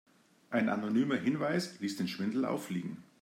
Ein anonymer Hinweis ließ den Schwindel auffliegen.